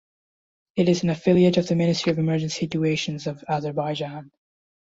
It is an affiliate of the Ministry of Emergency Situations of Azerbaijan.